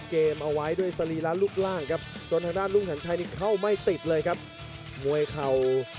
เหน็บด้วยเขาซ้ายเขาขวา